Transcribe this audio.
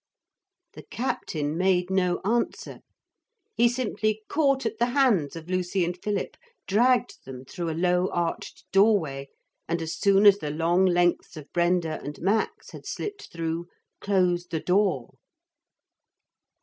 The captain made no answer. He simply caught at the hands of Lucy and Philip, dragged them through a low arched doorway and, as soon as the long lengths of Brenda and Max had slipped through, closed the door.